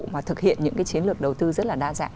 mà thực hiện những cái chiến lược đầu tư rất là đa dạng